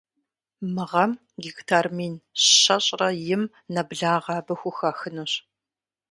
Мы гъэм гектар мин щэщӏрэ им нэблагъэ абы хухахынущ.